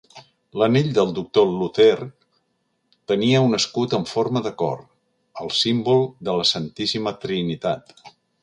L'anell del doctor Luther tenia un escut en forma de cor, el símbol de la Santíssima Trinitat.